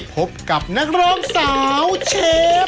พบกับนักร้องสาวเชฟ